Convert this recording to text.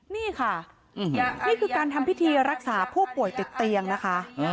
นี่ค่ะนี่คือการทำพิธีรักษาผู้ป่วยติดเตียงนะคะ